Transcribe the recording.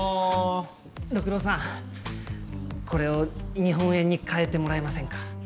六郎さんこれを日本円に換えてもらえませんか？